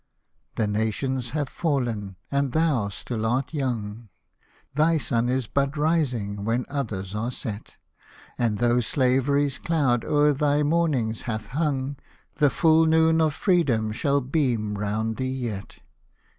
The nations have fallen, and thou still art young. Thy sun is but rising, when others are set ; And tho' slavery's cloud o'er thy morning hath hung, The full noon of freedom shall beam round thee yet.